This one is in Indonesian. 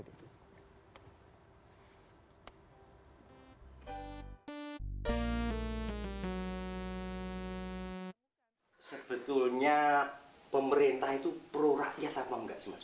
sebetulnya pemerintah itu pro rakyat apa enggak sih mas